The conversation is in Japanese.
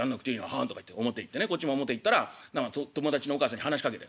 「はん」とか言って表行ってねこっちも表行ったら何か友達のお母さんに話しかけてんですね。